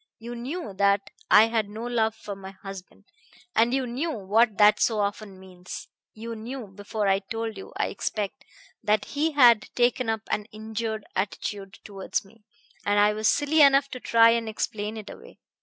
You knew that I had no love for my husband, and you knew what that so often means. You knew before I told you, I expect, that he had taken up an injured attitude towards me; and I was silly enough to try and explain it away.